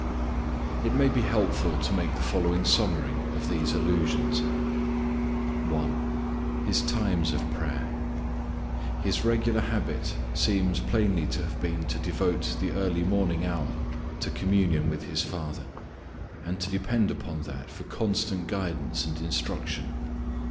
It may be helpful to make the following summary of these allusions. 1. His times of prayer: His regular habit seems plainly to have been to devote the early morning hour to communion with His Father, and to depend upon that for constant guidance and instruction.